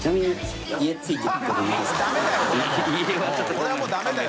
これはもうダメだよ